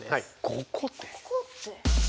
５個って。